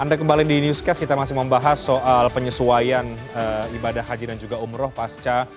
anda kembali di newscast kita masih membahas soal penyesuaian ibadah haji dan juga umroh pasca